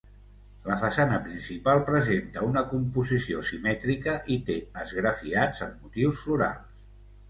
La façana principal presenta una composició simètrica i té esgrafiats amb motius florals.